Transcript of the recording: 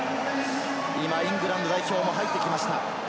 イングランド代表も入ってきました。